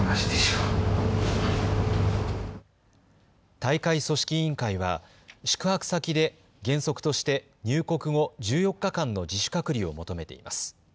大会組織委員会は宿泊先で原則として入国後１４日間の自主隔離を求めています。